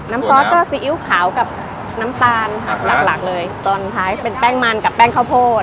ซอสก็ซีอิ๊วขาวกับน้ำตาลค่ะหลักหลักเลยตอนท้ายเป็นแป้งมันกับแป้งข้าวโพด